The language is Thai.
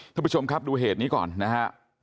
ทุกประชมครับดูเหตุกรอบนี้ก่อนนะครับ